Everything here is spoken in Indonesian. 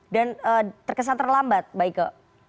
dan terkesan terlambat mbak ike